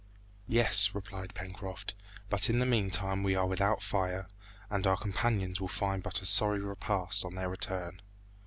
"Yes," replied Pencroft; "but in the meantime we are without fire, and our companions will find but a sorry repast on their return."